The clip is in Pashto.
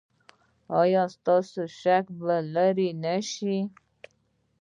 ایا ستاسو شک به لرې نه شي؟